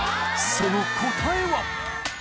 その答えは。